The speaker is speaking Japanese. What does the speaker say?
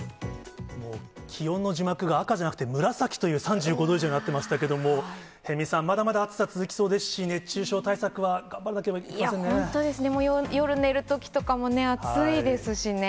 もう気温の字幕が、赤じゃなくて紫という３５度以上になっていましたけれども、辺見さん、まだまだ暑さ続きそうですし、熱中症対策は頑張らなければいけ本当ですね。